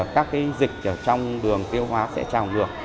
các dịch trong đường tiêu hóa sẽ trào ngược